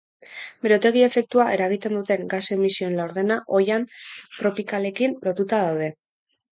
Berotegi efektua eragiten duten gas emisioen laurdena oihan tropikalekin lotuta daude.